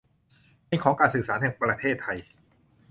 เป็นของการสื่อสารแห่งประเทศไทย